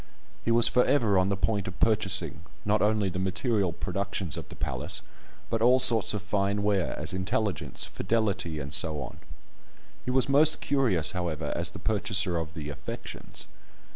He was for ever on the point of purchasing, not only the material productions of the place, but all sorts of such fine ware as "intelligence," "fidelity," and so on. He was most curious, however, as the purchaser of the "affections."